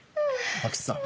阿久津さん。